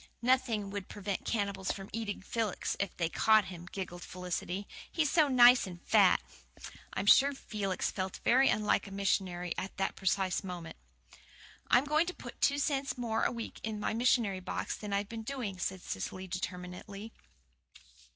"Nothing would prevent cannibals from eating Felix if they once caught him," giggled Felicity. "He's so nice and fat." I am sure Felix felt very unlike a missionary at that precise moment. "I'm going to put two cents more a week in my missionary box than I've been doing," said Cecily determinedly.